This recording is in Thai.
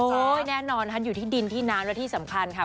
แน่นอนค่ะอยู่ที่ดินที่น้ำและที่สำคัญค่ะ